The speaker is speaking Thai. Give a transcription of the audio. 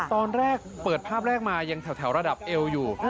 ตอนแรกเปิดภาพแรกมายังแถวระดับเอวอยู่